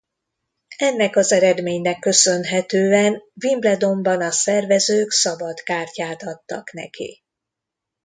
Ennek az eredménynek köszönhetően Wimbledonban a szervezők szabadkártyát adtak neki.